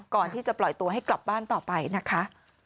ก่อนที่จะปล่อยตัวให้กลับบ้านต่อไปนะคะ